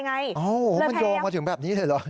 มันโยมมาถึงแบบนี้เลยเหรอ